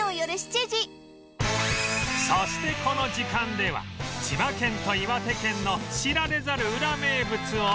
そしてこの時間では千葉県と岩手県の知られざるウラ名物をお届け！